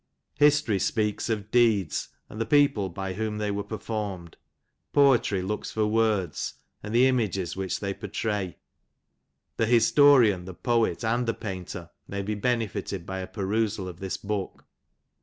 History speaks of deeds, and the people by whom they were performed; Poetry looks for words, and the images which they pourtray; the historian, the poet, and the painter may be benefitted by a perusal of this book.